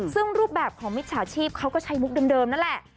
ซึ่งรูปแบบของมิจฉาชีพเขาก็ใช้มุกเดิมนั่นแหละ